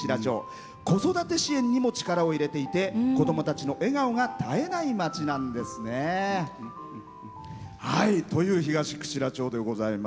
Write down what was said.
子育て支援にも力を入れていて子供たちの笑顔が絶えない町なんですね。という東串良町でございまして。